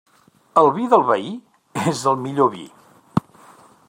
El vi del veí és el millor vi.